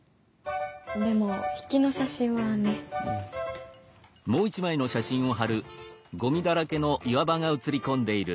でも引きの写真はねっ？